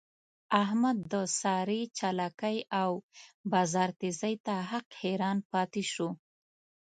احمد د سارې چالاکی او بازار تېزۍ ته حق حیران پاتې شو.